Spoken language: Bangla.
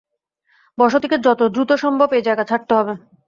বসতিকে যত দ্রুত সম্ভব, এই জায়গা ছাড়তে হবে।